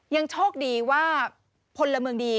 ยังโชคดีว่าพลเมืองดี